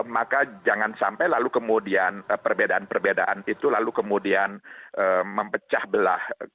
maka jangan sampai lalu kemudian perbedaan perbedaan itu lalu kemudian mempecah belah